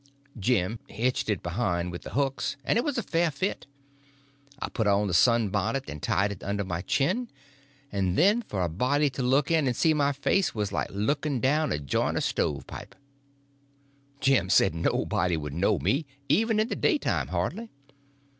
Jim hitched it behind with the hooks, and it was a fair fit. I put on the sun bonnet and tied it under my chin, and then for a body to look in and see my face was like looking down a joint of stove pipe. Jim said nobody would know me, even in the daytime, hardly.